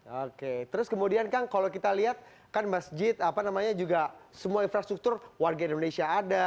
oke terus kemudian kang kalau kita lihat kan masjid apa namanya juga semua infrastruktur warga indonesia ada